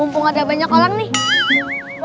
mumpung ada banyak orang nih